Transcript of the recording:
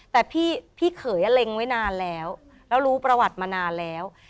แต่พี่เขยเล็งไว้นานแล้วแล้วรู้ประวัติมานานแล้ว